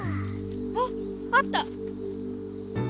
ああった！